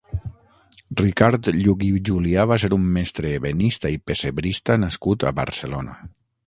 Ricard Lluch i Julià va ser un mestre ebenista i pessebrista nascut a Barcelona.